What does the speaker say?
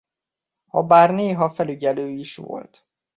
Habár néha felügyelő is volt.